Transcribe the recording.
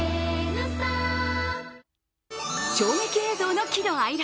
衝撃映像の喜怒哀楽。